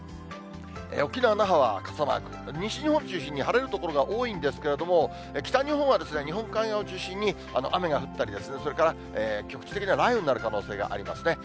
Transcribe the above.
沖縄・那覇は傘マーク、西日本中心に晴れる所が多いんですけれども、北日本は日本海側を中心に雨が降ったり、それから局地的な雷雨になる可能性がありますね。